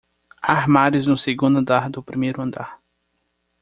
Há armários no segundo andar do primeiro andar.